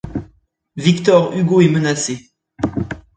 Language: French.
Victor Hugo est menacé.